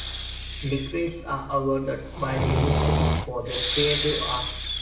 Degrees are awarded by the University for the Creative Arts.